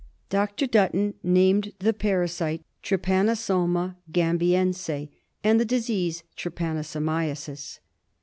Dr. Dutton named the parasite Trypanosoma gambiense and the disease Trypanosomiasis.